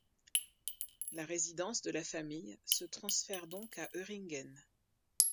La résidence de la famille se transfère donc à Öhringen.